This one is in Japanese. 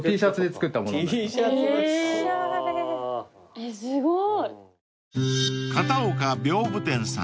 えっすごい！